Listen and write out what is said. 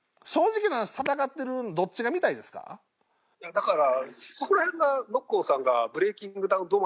だから。